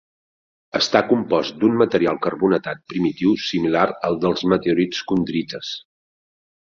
Està compost d'un material carbonatat primitiu similar al dels meteorits condrites.